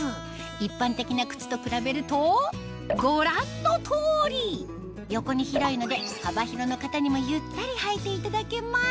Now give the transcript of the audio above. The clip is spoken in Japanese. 一般的な靴と比べるとご覧の通り横に広いので幅広の方にもゆったり履いていただけます